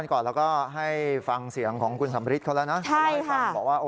ก็ให้ฟังเสียงของคุณสำริดเขาแล้วนะ